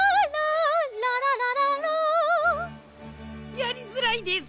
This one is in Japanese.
やりづらいです！